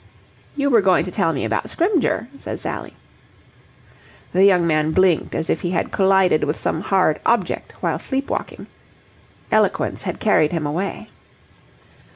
"You were going to tell me about Scrymgeour," said Sally. The young man blinked as if he had collided with some hard object while sleep walking. Eloquence had carried him away.